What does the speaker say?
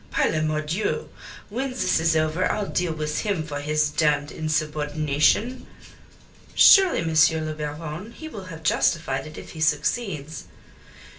Par la Mordieu! When this is over I'll deal with him for his damned insubordination." "Surely, M. le Baron, he will have justified it if he succeeds."